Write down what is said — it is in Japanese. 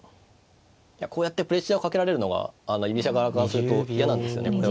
こうやってプレッシャーをかけられるのは居飛車側からすると嫌なんですよねこれは。